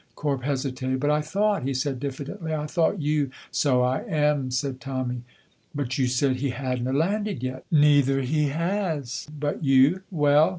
Corp hesitated. "But, I thought," he said diffidently, "I thought you " "So I am," said Tommy. "But you said he hadna landed yet?" "Neither he has." "But you " "Well?"